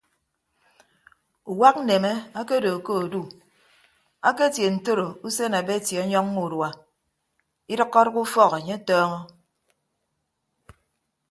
Uwak nneme akedo ke odu aketie ntoro usen abeti ọnyọññọ urua idʌkkọdʌk ufọk anye atọọñọ.